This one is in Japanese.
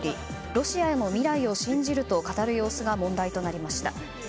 ロシアの未来を信じると語る様子が問題となりました。